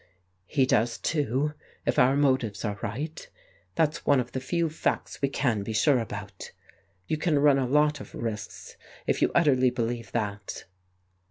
... He does too, if our motives are right; that's one of the few facts we can be quite sure about. ... You can run a lot of risks if you utterly believe that."